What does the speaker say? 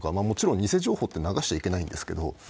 もちろん偽情報って流しちゃいけないんですけど